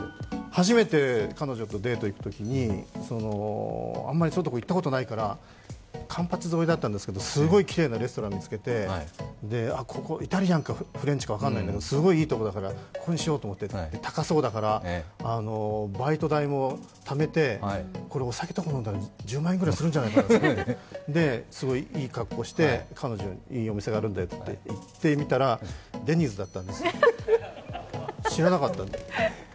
初めて彼女とデート行くときに、あまりそういう所に行ったことないから環８沿いだったんですけど、すごいきれいなレストラン見つけてここイタリアンかフレンチか分からないんだけど、すごい、いいところだから、ここにしようと思って、高相だから、バイト代もためて、これ、お酒とか飲んだら１０万円するんじゃないかといい格好して、彼女にいいお店があるんでって行ってみたらデニーズだったんですよ、知らなかったんです。